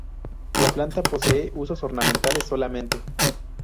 La planta posee usos ornamentales solamente.